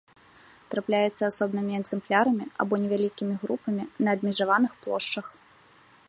Трапляецца асобнымі экземплярамі або невялікімі групамі на абмежаваных плошчах.